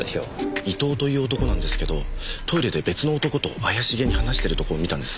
伊藤という男なんですけどトイレで別の男と怪しげに話してるところを見たんです。